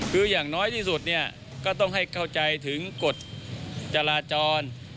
คืออย่างน้อยที่สุดเนี่ยก็ต้องให้เข้าใจถึงกฎจราจร